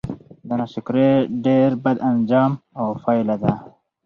د ناشکرۍ ډير بد آنجام او پايله ده